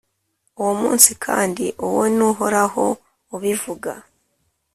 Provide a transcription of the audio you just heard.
Uwo munsi kandi — uwo ni Uhoraho ubivuga —